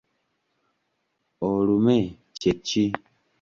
Olume kye ki?